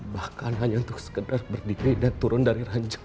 bahkan hanya untuk sekedar berdiri dan turun dari ranja